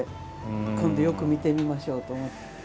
今度、よく見てみましょうと思いました。